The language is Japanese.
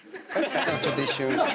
ちょっと一瞬。